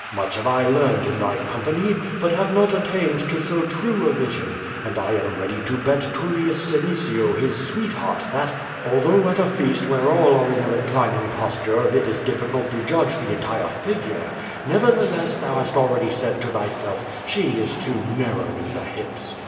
Much have I learned in thy company, but have not attained to so true a vision, and I am ready to bet TuUius Senecio his sweetheart that— although at a feast, where all are in a reclining posture, it is difficult to judge the entire figure; nevertheless thou hast already said to thy self: *She is too narrow in the hips.'